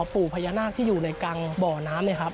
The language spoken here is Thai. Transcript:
ปู่พญานาคที่อยู่ในกลางบ่อน้ำเนี่ยครับ